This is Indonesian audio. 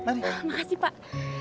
terima kasih pak